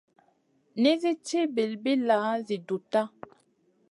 Nisi ci bilbilla zi dutta.